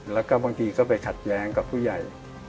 และบางทีต้องขาดแย้งแร้งกับผู้ใหญ่